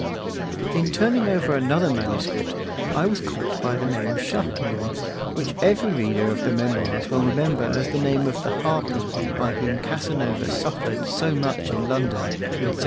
In turning over another manuscript, I was caught by the name Charpillon, which every reader of the Memoirs will remember as the name of the harpy by whom Casanova suffered so much in London, in 1763 4.